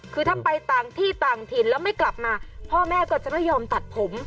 คือถ้าไปต่างที่ต่างถิ่นแล้วไม่กลับมาพ่อแม่ก็จะไม่ยอมตัดผม